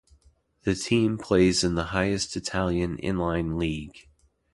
The team plays in the highest Italian inline league.